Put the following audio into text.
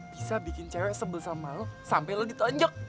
bisa bikin cewek sebel sama lo sampe lo ditonjok